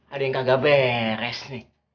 ada yang kagak beres nih